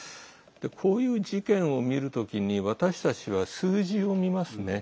こういう事件を見る時に私たちは数字を見ますね。